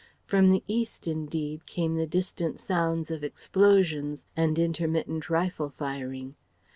From the east, indeed, came the distant sounds of explosions and intermittent rifle firing.